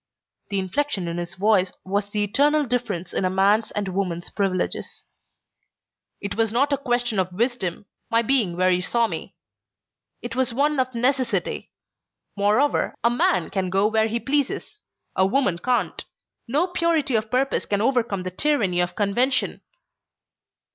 The inflection in his voice was the eternal difference in a man's and woman's privileges. "It was not a question of wisdom my being where you saw me. It was one of necessity. Moreover, a man can go where he pleases. A woman can't. No purity of purpose can overcome the tyranny of convention."